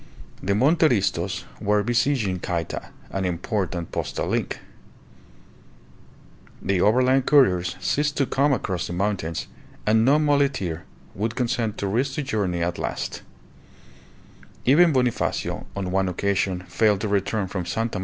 The Monteristos were besieging Cayta, an important postal link. The overland couriers ceased to come across the mountains, and no muleteer would consent to risk the journey at last; even Bonifacio on one occasion failed to return from Sta.